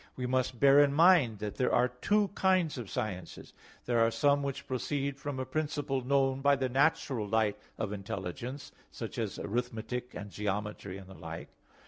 We must bear in mind that there are two kinds of sciences. There are some which proceed from a principle known by the natural light of intelligence, such as arithmetic and geometry and the like.